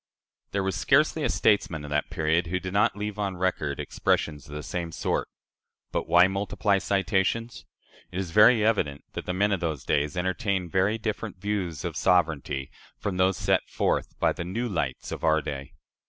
There was scarcely a statesman of that period who did not leave on record expressions of the same sort. But why multiply citations? It is very evident that the "men of those days" entertained very different views of sovereignty from those set forth by the "new lights" of our day.